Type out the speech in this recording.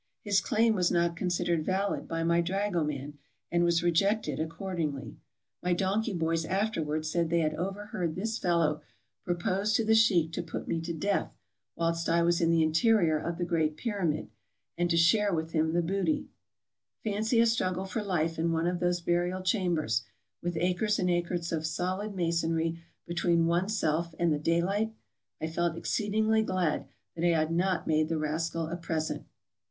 His claim was not considered valid by my dragoman, and was rejected accordingly. My donkey boys afterward said they ASIA 331 had overheard this fellow propose to the sheik to put me to death whilst I was in the interior of the great Pyramid, and to share with him the booty. Fancy a struggle for life in one of those burial chambers, with acres and acres of solid masonry between oneself and the daylight! I felt ex ceedingly glad that I had not made the rascal a present.